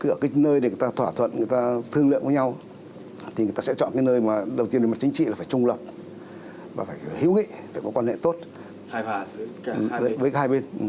dựa cái nơi để người ta thỏa thuận người ta thương lượng với nhau thì người ta sẽ chọn cái nơi mà đầu tiên về mặt chính trị là phải trung lập và phải hữu nghị phải có quan hệ tốt với hai bên